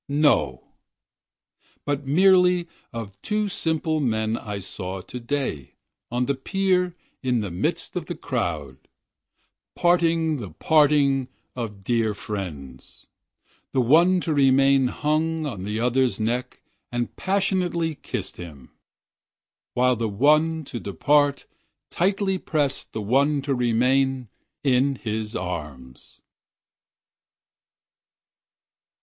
—No; But I record of two simple men I saw to day, on the pier, in the midst of the crowd, parting the parting of dear friends; The one to remain hung on the other's neck, and passionately kiss'd him, While the one to depart, tightly prest the one to remain in his arms.